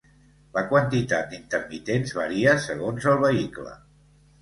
La quantitat d'intermitents varia segons el vehicle.